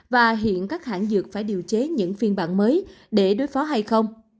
và hiện các hãng dược phải điều chế những phiên bản mới để đối phó hay không